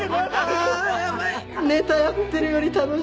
あヤバいネタやってるより楽しい。